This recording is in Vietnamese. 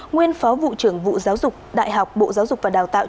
nguyên phó vụ trưởng vụ giáo dục đại học bộ giáo dục và đào tạo